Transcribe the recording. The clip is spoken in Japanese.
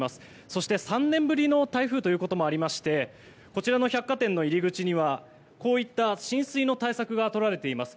そして、３年ぶりの台風ということもありましてこちらの百貨店の入り口にはこういった浸水の対策がとられています。